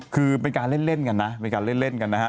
คือเป็นการเล่นกันนะเป็นการเล่นกันนะฮะ